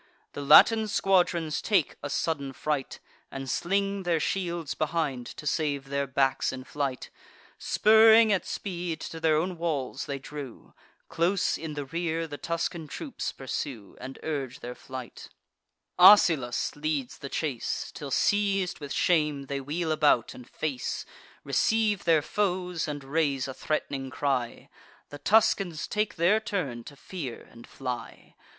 The Latin squadrons take a sudden fright, And sling their shields behind, to save their backs in flight Spurring at speed to their own walls they drew; Close in the rear the Tuscan troops pursue, And urge their flight: Asylas leads the chase; Till, seiz'd, with shame, they wheel about and face, Receive their foes, and raise a threat'ning cry. The Tuscans take their turn to fear and fly.